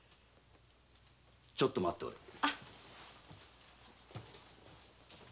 ちょっと待っておれ。